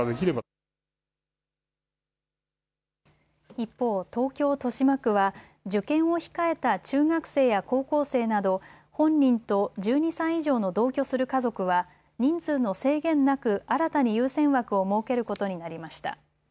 一方、東京豊島区は受験を控えた中学生や高校生など、本人と１２歳以上の同居する家族は人数の制限なく新たに優先枠を設けることになりました。